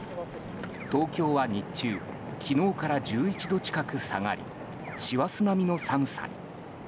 東京は日中昨日から１１度近く下がり師走並みの寒さに。